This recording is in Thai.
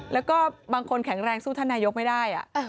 แล้วก็บางคนแข็งแรงสู้ท่านนายกไม่ได้